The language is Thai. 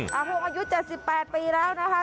อาพงอายุ๗๘ปีแล้วนะคะ